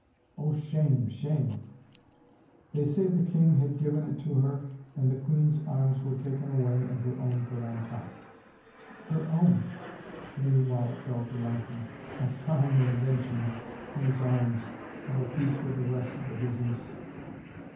"" Oh, shame, shame I " "They say the king had given it to her and the queen's arms were taken away and her own put on top —" "Her own!" Lady Wallop fell to laughing. "A fine invention, those arms — of a piece with the rest of the business."